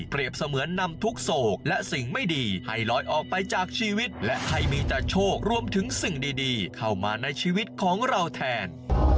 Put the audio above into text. เสมือนนำทุกโศกและสิ่งไม่ดีให้ลอยออกไปจากชีวิตและให้มีแต่โชครวมถึงสิ่งดีเข้ามาในชีวิตของเราแทน